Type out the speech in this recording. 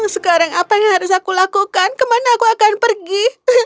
sekarang apa yang harus aku lakukan kemana aku akan pergi